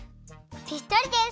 ぴったりです！